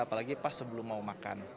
apalagi pas sebelum mau makan